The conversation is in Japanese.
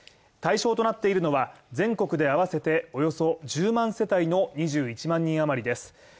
対象となっているのは全国で合わせておよそ１０万世帯の２１万人余りです